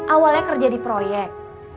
awalnya kerja di proyek